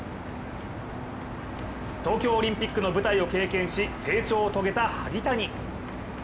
東京オリンピックの舞台を経験し成長を遂げた萩谷。